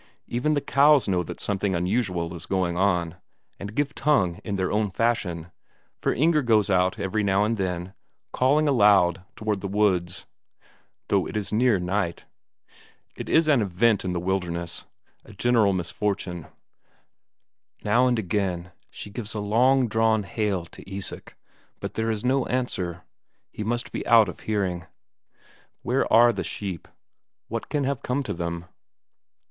Even the cows know that something unusual is going on, and give tongue in their own fashion, for Inger goes out every now and then, calling aloud towards the woods, though it is near night. It is an event in the wilderness, a general misfortune. Now and again she gives a long drawn hail to Isak, but there is no answer; he must be out of hearing. Where are the sheep what can have come to them?